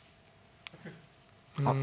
あっ。